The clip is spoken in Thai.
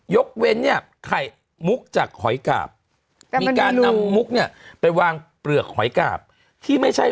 ยกเว้นเนี่ยไข่มุกจากหอยกาบมีการนำมุกเนี่ยไปวางเปลือกหอยกาบที่ไม่ใช่